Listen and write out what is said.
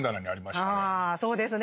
あそうですね。